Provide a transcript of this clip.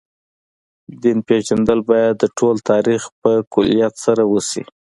دین پېژندل باید د ټول تاریخ په کُلیت سره وشي.